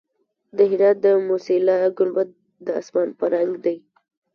د هرات د موسیلا ګنبد د اسمان په رنګ دی